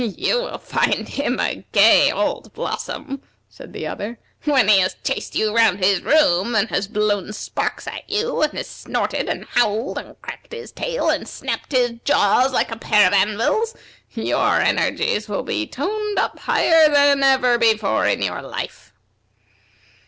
"You will find him a gay old blossom," said the other. "When he has chased you round his room, and has blown sparks at you, and has snorted and howled, and cracked his tail, and snapped his jaws like a pair of anvils, your energies will be toned up higher than ever before in your life."